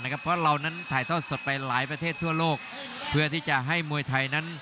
กรุงฝาพัดจินด้า